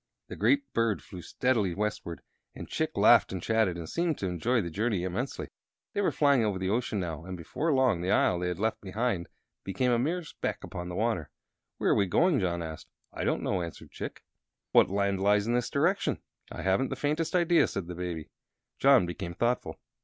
The great bird flew steadily westward, and Chick laughed and chatted, and seemed to enjoy the journey immensely. They were flying over the ocean now, and before long the Isle they had left became a mere speck upon the water. "Where are we going?" John asked. "I don't know," answered Chick. "What land lies in this direction?" "I haven't the faintest idea," said the Baby. John became thoughtful.